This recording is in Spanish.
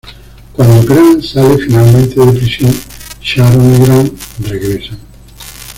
Cuando Grant sale finalmente de prisión Sharon y Grant regresan.